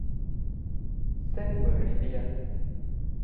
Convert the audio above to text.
เส้นเมอริเดียน